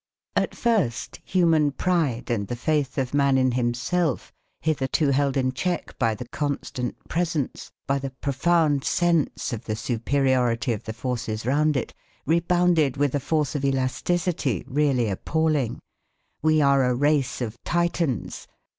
At first human pride and the faith of man in himself hitherto held in check by the constant presence, by the profound sense of the superiority of the forces round it, rebounded with a force of elasticity really appalling. We are a race of Titans.